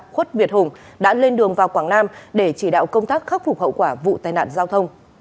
khuất việt hùng đã lên đường vào quảng nam để chỉ đạo công tác khắc phục hậu quả vụ tai nạn giao thông